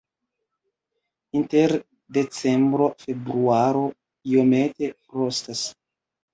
Inter decembro-februaro iomete frostas.